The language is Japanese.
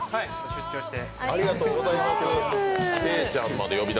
出張して。